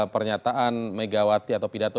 pernyataan megawati atau pidato